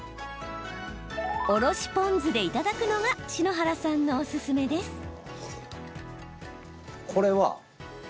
おろしポン酢でいただくのが篠原さんのおすすめです。